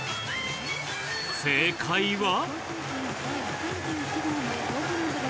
正解は。